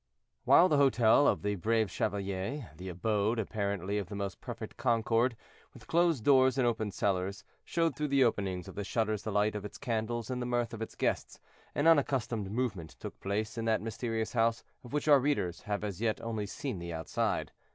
While the hotel of the "Brave Chevalier," the abode, apparently, of the most perfect concord, with closed doors and open cellars, showed through the openings of the shutters the light of its candles and the mirth of its guests, an unaccustomed movement took place in that mysterious house of which our readers have as yet only seen the outside.